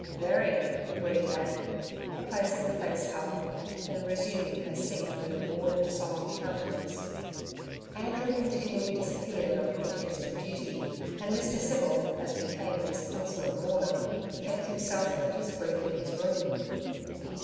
'Very' agreed Anne, replacing the facecover, then resuming her seat with an ordered, solemn countenance. Andrew continually disappeared, on pretext of duty, and Mr. Civil, as became a disconsolate mourner, kept himself and his grief in his room.